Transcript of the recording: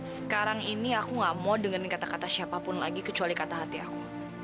sekarang ini aku gak mau dengan kata kata siapapun lagi kecuali kata hati aku